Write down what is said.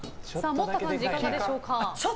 持った感じいかがでしょうか？